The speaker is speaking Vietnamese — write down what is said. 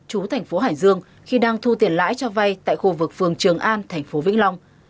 chú thành phố hải dương khi đang thu tiền lãi cho vay tại khu vực phường trường an thành phố vĩnh long